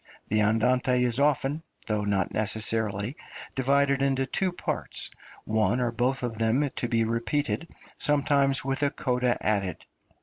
The Andante is often, though not necessarily, divided into two parts, one or both of them to be repeated, sometimes with a coda added.